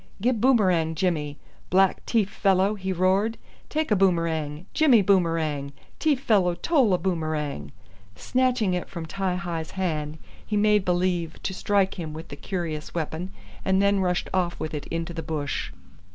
"Gib boomerang Jimmy, black tief fellow," he roared. "Take a boomerang. Jimmy boomerang. Tief fellow tole a boomerang." Snatching it from Ti hi's hand he made believe to strike him with the curious weapon and then rushed off with it into the bush.